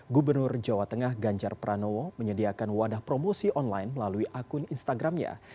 gubernur jawa tengah ganjar pranowo menyediakan wadah promosi online melalui akun instagramnya